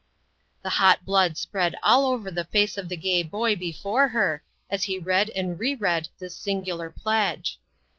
The hot blood spread all over the face of the gay boy before her, as he read and re read this singular pledge.